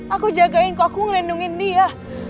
aku jagain kok aku ngelindungin dia